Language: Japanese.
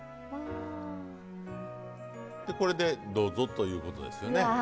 でこれでどうぞということですよね。